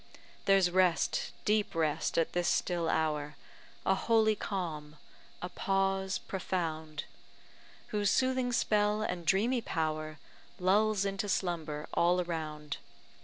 There's rest, deep rest, at this still hour A holy calm, a pause profound; Whose soothing spell and dreamy power Lulls into slumber all around.